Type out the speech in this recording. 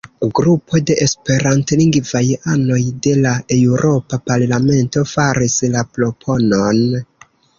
Grupo de esperantlingvaj anoj de la eŭropa parlamento faris la proponon.